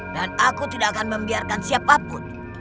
aku tidak akan membiarkan siapapun